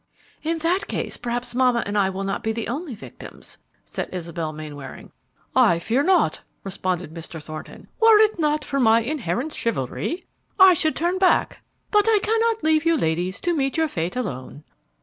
"In that case, perhaps mamma and I will not be the only victims," said Isabel Mainwaring. "I fear not," responded Mr. Thornton. "Were it not or my inherent chivalry, I should turn back; but I cannot leave you ladies to meet your fate alone."